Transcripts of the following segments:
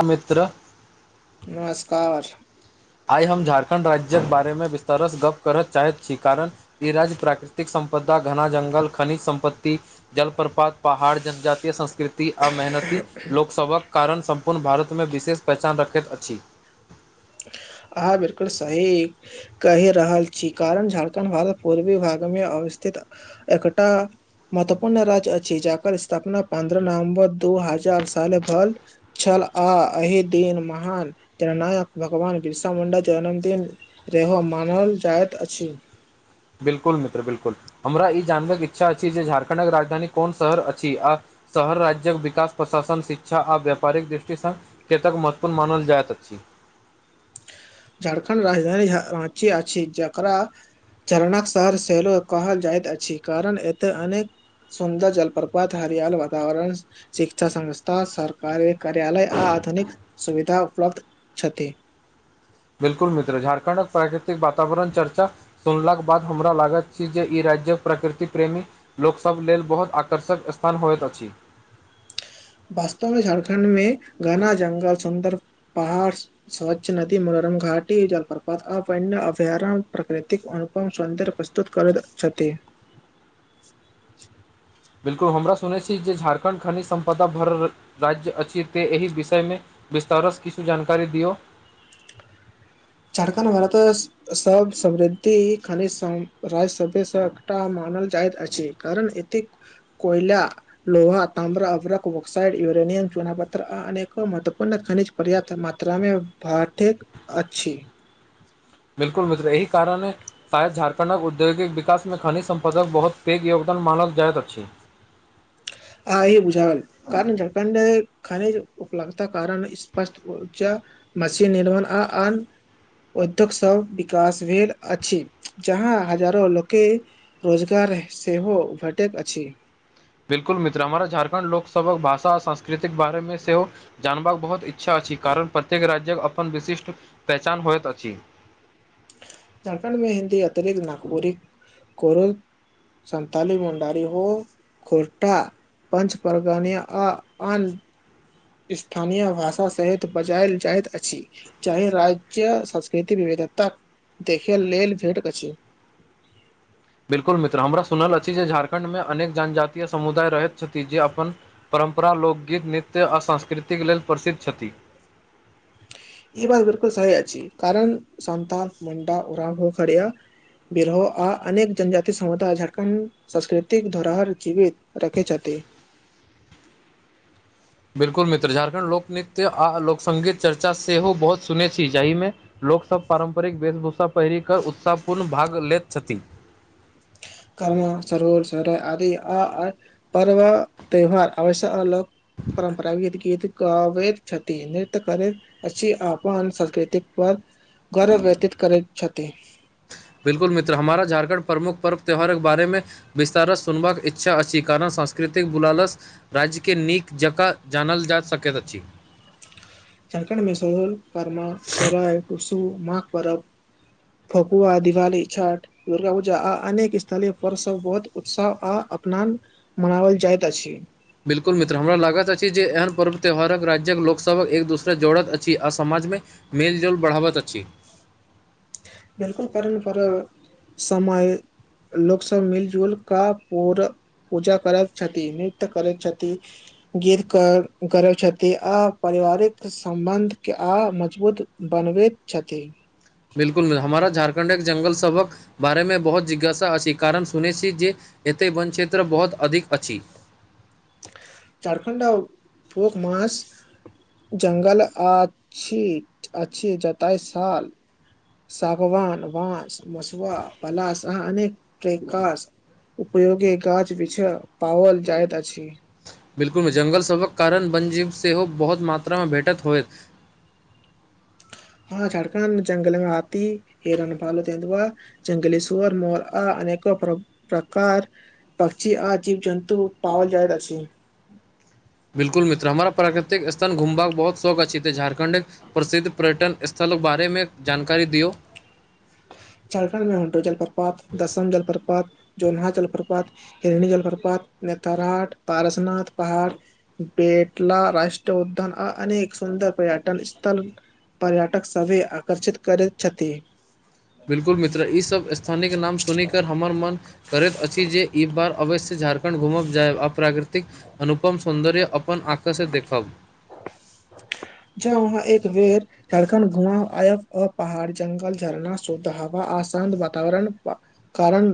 अमित्र घर [inaudible] आइ हम झारखण्ड राज्य के बारे मे विस्तारसँ गप्प करऽ चाहैत छी कारण ई राज्य प्राकृतिक संपदा घना जंगल खनिज संपत्ति जलप पात पहाड़ जनजातय संस्कृति आ मेहनती लोकसभक कारण सम्पूर्ण भारतमे विशेष पहचान रखैत अछि [inaudible] अहाँ बिलकुल सही कहि रहल छी कारण झारखण्ड भारत पूर्वी भागमेव स्थित एकटा महत्वपूर्ण राज्य अछि छै जकर स्थापना पन्द्रह नवम्बर दू हजार साल भल छ आ अही दिन महान जननायक भगवान बिरसा मुंडा जन्मदिन रहे हो मानल जाइत अछि बिल्कुल मित्र बिल्कुल हमरा ई जानबैके इच्छा अछि जे झारखण्डक राजधानी कोन शहर अछि आ शहर राज्यक विकास प्रशासन शिक्षा आ व्यापारिक दृष्टिसँ केतक महत्वपूर्ण मानल जाइत अछि [inaudible] झारखण्ड राजधानी आ छी रांची आ छी जकरा चरणक सहर सेहलो कहल जाइत अछि कारण एतऽ अनेक सुन्दर जलप्रपात हरियाल वातावरण शिक्षा संस्था सरकारी कार्यालय आ आधुनिक सुविधा उपलब्ध छथि [inaudible] बिल्कुल मित्र झारखण्डक प्राकृतिक वातावरण चर्चा सुनलाक बाद हमरा लागत छै जे ई र राज्यक प्रकृति प्रेमी लोकसभ लेल बहुत आकर्षक स्थान होइत अछि वास्तवमे झारखण्ड मे घना जङ्ल सुन्दर पहाड़ स्वच्छ नदी मगर घाटी जलप्रपात आ वन्य अभयारण्य प्रकृतिक अनुपम सौन्दर्य प्रस्तुत करैत छथिन [inaudible] बिलकुल हमरा सुनैत छी जे झारखण्ड खनिज सम्पदा भरल र राज्य अछि ते एहि विषयमे बिस्तारसँ किछु जानकारी दियौ झारखण्ड भारत सब समृद्धि खनिज राज्य साथे साथ एकटा म जाइत अछि कारण एत्तेक कोइला लोहा ताम्रा अब्रकक्साड यूरेन चुना पत्थर आ अनेको महत्वपूर्ण खनिज पर्याप्त मात्रामे भाठिक अच छी बिलकुल मित्र एहि कारणे आय झारखंडक औद्योगिक विकास मे खनिज संपदाक बहुत पैघ योगदान मानक जायत अछी आय ई बुझाल कारण झारखण्डे खनिज उपलब्धता कारण स्पष्ट ऊर्जा मशीन निर्माण आ आन उद्योग सब विकास भेल अछि जहाँ हजारो लोके रोजगार सेहो भेटैत अछि बिलकुल मित्र हमारा झारखंड लोकसभक भाषा आ संस्कृतिक बारेमे सेहो जानबाक बहुत इ अच्छा अछि कारण प्रत्येक राज्य अपन अपन विशिष्ट पहचान होयइत अछि झारखण्डमे हिन्दी अतिरिक्त नागपुरी कोरो संताली मुंडारी हो खोरटा पञच परगानिया आ अन स्थानीय भाषा सहित बजायल जाइत अछि चाहे राज्य संस्कृति वि एत्त देखै लेल भेट अछि [inaudible] बिल्कुल मित्र हमरा सुनल अछि जे झारखण्ड में अनेक जनजातीय समुदाय रहैत छथि जे अपन पर परम्परा लोकगीत नृत्य आ सांस्कृतिक लेल प्रसिद्ध छथि ई बात बिलकुल सही अछि कारण सन्तान मुंडा उरांव ओ खरिया बिरोह आ अनेक जनजाति समुदाय झारखण्ड संस्कृतिक धरोहर जीवित रखैत छथिन [inaudible] बिल्कुल मित्र झारखण्ड लोकनृत्य आ लोकसंगीत चर्चा सेहो बहुत सुनै छी जाहिमे ल लोकसभ पारम्परिक वेशभूषा पहिरि कऽ उत्साहपूर्ण भाग लेैत छथिन कर्म सरोर सर आदि आ आ पर्व त्यौहार आवश्यआअल परम्परागत गीत गवैत छथिन नृत्य करैत अछि अपन संस्कृतिक पर गर्व व्यतीत करै छथि बिलकुल मित्र हमारा झारखंड प्रमुख पर्व त्यौहारके बारे मे विस्तारसँ सुनबाक इच्छा अछि कारणसँ सांस्कृतिक बुलालस राज्यके नीक जकां जानल जा सकैत अछि झारखण्डमे स्कूल करमा सोराय टुसु माघ परब फगुआ दिवाली छठ दुर्गा पूजा आ अनेक स्थलीय परसव बहुत उत्साह आ अपनान मनावल जाइत अछि बिलकुल मित्र हमरा लागत अछि जे एहन पर्व त्यौहारक राज्य लोकसभक एक दूसरे जोड़त अछि आ समाजमे मेलजोल बढ़ाबैत अछि बिलकुल परंपरा समय लोकसब मिलजुल कऽ पूरा पूजा करैत छथि नृत्य करैत छथि गीत करैत छथि आ पारिवारिक सम्बन्ध आ मजबूत बनबैत छथि बिलकुल हमारा झारखण्ड एक जंगल सबक बारे मे बहुत जिज्ञासा अ अछि कारण सुने छी जे एतय वन क्षेत्र बहुत अधिक अछि झारखण्ड पोक मास जंगल अछि अछि जतय साल सागवान बांस मसुआ पलाश आ अनेक प्रकार उपयोगे गाछ बिछा पओल जाइतइत अछि बिलकुल जंगल सबक कारण वनजीव सेहो बहुत मात्रा मे भेठत होए [inaudible] हँ झारखण्ड जंगल में हाथी हिरन पालतु जानवर जंगली सुवर मोर आ अनेको प्रकार पक्षी आ जीव जन्तु पओल जाइत अछि [inaudible] बिल्कुल मित्र हमरा प्राकृतिक स्थल घुमबाक बहुत शौक अछि ते झारखंडे प्रसिद्ध पर्यटन स्थल अपनो बारे जानकारी दियौ झारखंड मे हुंटो जलप्रपात दसम जलप्रपात जोनहा जलप्रपात हिरणी जलप्रपात नथरहाट पारसनाथ पहाड़ बेटला राष्ट्रउद्यान आ अनेक सुन्दर पर्यटन स्थल पर्यटक सभे आकर्षित करैत छथि बिल्कुल मित्र ई सभ स्थानक नाम सुन कऽ हमर मन करैत अछि जे ई बार अवश्य झारखण्ड घूमब जायब अप्राकृतिक अनुपम सौंन्दर्य अपन आँख से देखब [inaudible] जह वहाँ एक बेर झारखण्ड घुमा आयब आ पहाड़ जंगल झरना शुद्ध हवा आ आसान्त वातावरण कारण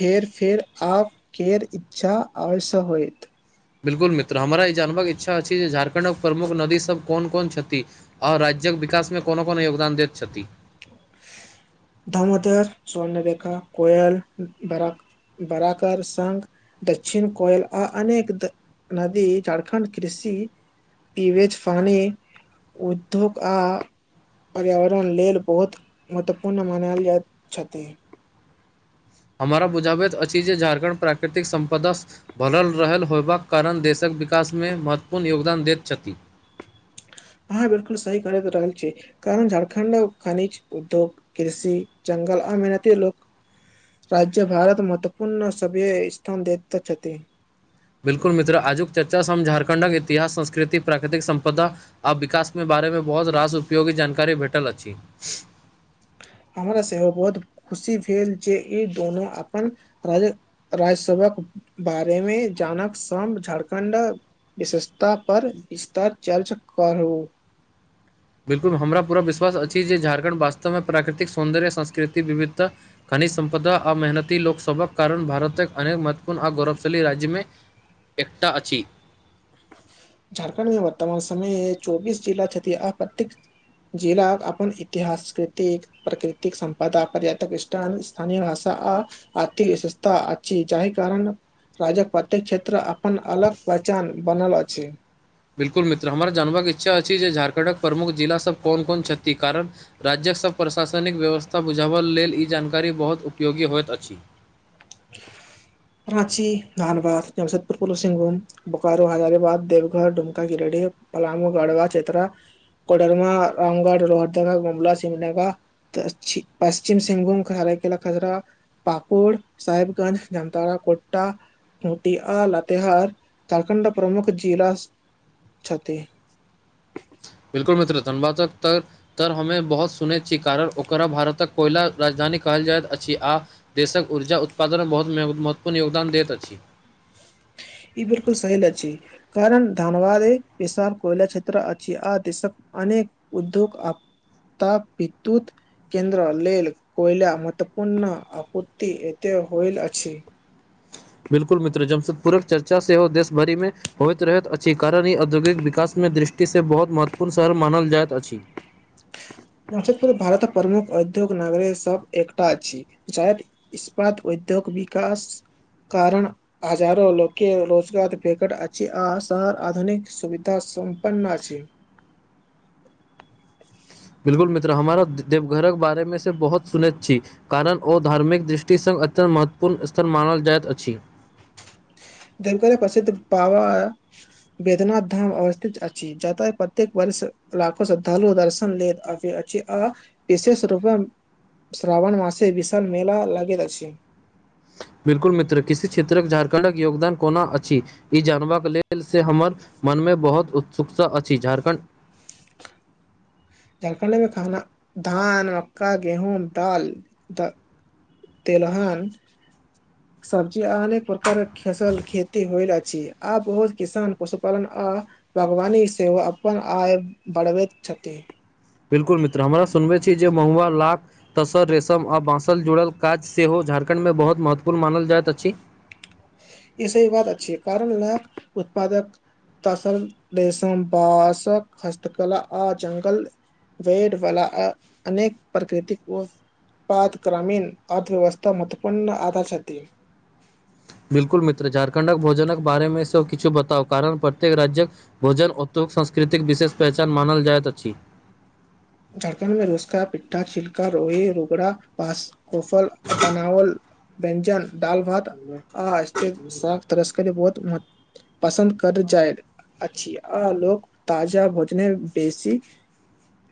फेर फेर आप केर इच्छा आ ओर से होईत बिल्कुल मित्र हमरा ई जानबाक इच्छा अछि जे झारखंडक प्रमुख नदी सब क कोन कोन छै छथि आओर राज्यक विकास मे कोनो कोनो योगदान दैत छथि दामोदर स्वर्णरेखा कोयल बरा बरााकर संघ दक्षिण कोयल आ अनेक नदी झारखण्ड कृषि पिवेज फानी उदियोग आ पर्यावरण लेल बहुत महत्वपूर्ण मानयल जाइत छथि हमराा बुझाबित अछि जे झारखण्ड प्राकृतिक संपदा भरल रहल होयबाक कारण देशक विकास मे महत्वपूर्ण योगदान दैत छथि अहाँ बिल्कुल सही करैत रहल छी कारण झारखण्ड खनिज उद्योग कृषि जंगल अमनति लोक राज्य भारत महत्वपूर्ण सभ्य स्थान दैत छथि बिल्कुल मित्र आजुक चर्चा सम हम झारखंडक इतिहास संस्कृति प्राकृतिक संपदा आ विकास मे बारे मे बहुत रास उपयोगी जानकारी भेटल अछि हमरा सेहो बहुत खुशी भेल जे ई दोनू अपन राज राज्य सभक् बारे मे जानक सम झारखण्ड विशेषता पर विस्तार चर्चा कर हो [unintelligible] बिल्कुल हमरा पूरा विश्वास अछि जे झारखंड वास्तव मे प्राकृतिक सौन्दर्य संस्कृतिक विविधता खनिज संपदा आ मेहनती लोकसभक कारण भारतक अनेक महत्वपूर्ण आ गौरवशाली राज्य मे एकटा अछि झारखण्ड मे वर्तमान समय चौबीस जिला छथि आ परतेक जिला अपन इतिहास संस्कृति प्रकृतिक संपदा पर्यटक सस्थल स्थानीय भाषा आ आर्थिक विशेषता आछि जाहि कारण राजक प्रत्येक क्षेत्र अपन अलग पहचान बनल अछि बिल्कुल मित्र हमरा जानबाक इच्छा अछि जे झारखण्डक प्रमुख जिलास सभ कोन कोन छथि कारण राज्यक सभ प्रशासनिक व्यवस्था बुझाबल लेल ई जानकारी बहुत उपयोगी होइत अछि ह [unintelligible] राची धनबाद जमसेदपुर बोकारो हजारीबाग देवघर डूमका पलामू गड़वा चेत्रा कोडरमा रामगढ़ रोहरदा गुमला सिमनगा पश्चिम सिंहभूम ख खजरा पाकोर सााहेबगंज ज ताराकोटा खटिया लाातहार झारखण्ड प्रमुख जिला छथि बिल्कुल मित्र धनबाद तक तर हममे बहुत सुनने छी कारण ओकरा भारतक कोयला राजधानी कहल जाइत अछि आ देशक ऊर्जा उत्पादन मे बहुत महत्वपूर्ण योगदान दैत अछि [unintelligible] ई बिल्कुल सही कारण धानवाद बिशाल कोयला क्षेत्र अ आर देशक अनेक उद्योग त विद्युत केन्द्र लेल कोयला महत्वपूर्ण आपूर्ति होयल अछि [inaudible] बिल्कुल मित्र जमसदपूरक चर्चा से हो देशभरि मे होइत रहत अच्छी कारण ह औद्योगिक विकास मे मे दृष्टि से बहुत महत्वपूर्ण शहर मानल जाइत अछि नसदपुर भारत प्रमुख औद्योग नगर सब एकटा अछि जायद इस्पात उद्योग विकास कारण हजारो लोकके रोजगार भटेत अछि आ शहर आधुनिक सुविधा सम्पन छै [unintelligible] बिल्कुल मित्र हमारा देवघरक बारेमे से बहुत सुनैत छी कारण ओ धार्मिक दृष्टिसँ अत्यत महत्वपूर्ण स्थल मानल जाइत अछि देवघरक प्रसिद्ध पावा वेद्यनाथ धाम अवस्थित अछि जतय प्रत्येक वर्ष लाखो श्रद्धालु दर्शन ल फेर आ विशेष रूपे श्रावण मासे विशाल मेला लागैत छै [unintelligible] बिल्कुल मित्र किसी क्षेत्रक झारखण्डक योगदान कोना अछि ई जानबबाक लेल से हमर मन मे बहुत उत्सुकता अछि झारखण्ड झारखण्डमे खाना धान मक्का गेहूँ दाल तेलहान सब्जी आ अनेक प्रकार फसल खेती होल अछि आ बहुत किसान पशुपालन आ बागवानी से ओ अपन आय बढ़बैत छथि छै जे महुआ लाख तसर रेशम आ बाँसल जुड़ल काज सेहो झारखंड मे बहुत महत्वपूर्ण मानल जायत अछि ई स एकबात अच्छी है कारण ल उत्पादक तस देसम ब हस्तकला आ ज्ंगल वेड वला अनेक प्रकृतिक ओ पाद ग्रामीण अर्थव्यवस्था महत्वपूर्ण आधा छथि बिल्कुल मित्र झारखण्डक भोजनक बारेमे सभ किछु बताउ कारण प्रत्येक राज्यक भोजन ओत्यु संस्कृतिक विशेष पहचान मानल जाइत अछि रोए रुबरा ब कोफल बनावल व्यञ्जन दाल भात आ शाक तरस्कररी बहुत्व पसन्द कर जायत अछि आ लोक ताजा भोजने बेसी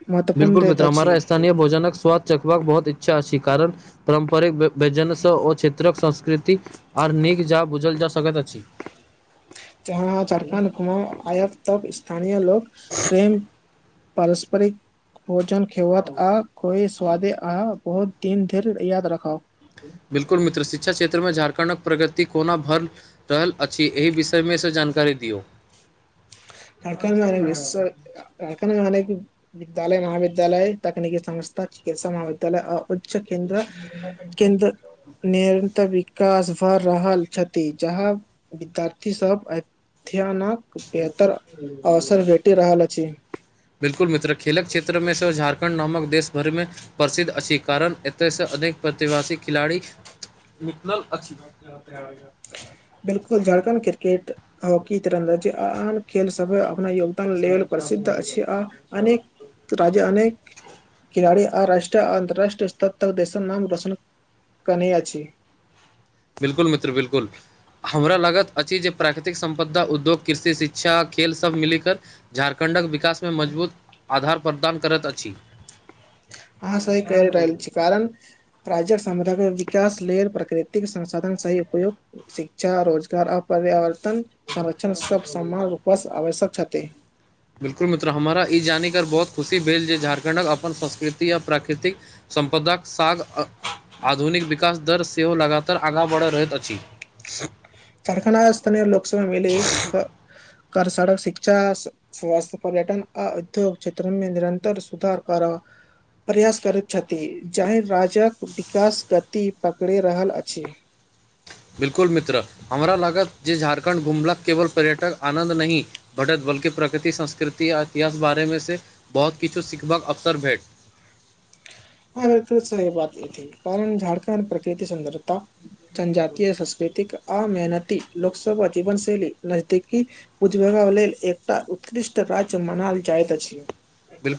महत्वपूर्ण बिलकुल दैत मित्र अछि हमारा स्थानीय भोजनक स्वाद चकबाका बहुत इच्छा जा छी कारण पारम्परिक व्यन ओ क्षेत्रक संस्कृति आर नीक जा बुझल स्वगत अछि जहाँ झारखण्ड कुम आयब तक स्थानीय लोक प्रेम पारस्परिक भोजन खेवत आ कोई स्वादे आ बहुत दिन धरि याद रखाउ बिल्कुल मित्र शिक्षा क्षेत्रमे झारखंड प्रगति कोना भर रहल अछि एहि विषयमे सँ जानकारी दियौ झखणड मे विश्वक झारखण्ड मे विद्यालय महाविद्यालय तकनीक समस्त चिकित्सा महाविद्यालय आ उच्चन्द्रन्द्र निरतर विकास भऽ रहल छथि जहाँ विद्यार्थी सब अध्ययनक बेहतर अवसर भेटि रहल छी बिल्कुल मित्र खेलक क्षेत्रमे सेहो झारखंड नामक देश भरिमे प्रसिद्ध अछि कारण एतयसँ अधिक प्रतिवासी खिलाड़ी हुँ बिल्कुल झारखंड क्रिकेट हॉकी तरन्दा आन खेल सब अपना योगदान लेल प्रसिद्ध अछि अनेक राजा अनेक खिलाड़ी आ राष्ट्रीय अन्तर्राष्ट्रीय स्तर तक देसक नाम रोशन कनी अछि बिल्कुल मित्र बिल्कुल हमरा लागत अछि जे प्राकृतिक सं्पदा उद्योग कृषि शिक्षा खेल सभ मिलिक झारखण्डक विक विकास मे मजबूत आधार प्रदान करैत अछि अहाँ सही कहि रहल छी कारण प्रेकट सम विकास लेल प्रकृतिक संसाधन सही उपयोग शिक्षा रोजगार ओर पर्यावर्तन संरक्षण सब समान रूपसँ आवश्यक सब छथि बिलकुल मित्र हमरा ई जानिक बहुत खुशी भेल जे झारखण्डक अपन संस्कृति आ प्राकृतिक सम्पदाक साग आधुनिक विकास दर सेहो लगातार आगाँ बढ़ रहैत अछि कारखाना स्थानय लोकसभा मिली कर सड़क शिक्षा स्वास्थ्य पर्यटन आ उद्योग क्षेत्रमे निरन्तर सुधार कर प्रयास करैत छथि जाहि राज्यक विकास गति पकड़ि रहल अछि [unintelligible] बिल्कुल मित्र हमरा लागत जे झारखंड घुमलाक केवल पर्यटक आनंन्द नहि भटत भ बल्कि प्रकृति संस्कृति आ इतिहास बारेमे से बहुत किछु सिखबाक अवसर भेट [unintelligible] ह बात ईी कारण झारखण्ड प्रकृति सुन्दरता जनजातिय संस्कृति आ मेहनती लोकसभ आ जीवनशैली नजदीकी बुझबका लेल एकटा उत्त उतकृष्ट राज्य मनाल जाइत अछि बिल्कुल